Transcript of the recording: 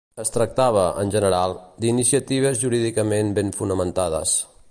Es tractava, en general, d'iniciatives jurídicament ben fonamentades.